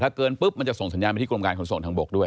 เกินปุ๊บมันจะส่งสัญญาณไปที่กรมการขนส่งทางบกด้วย